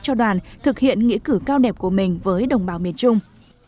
cho đoàn thực hiện nghĩa cử cao đẹp của mình với đồng bào miền trung